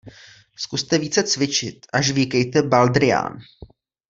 Zkuste více cvičit a žvýkejte baldrián.